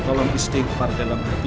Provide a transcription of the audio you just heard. tolong istifan dalam hati